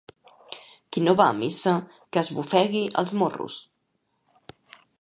Qui no va a missa, que es bofegui els morros.